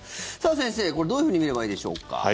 先生、これどういうふうに見ればいいでしょうか？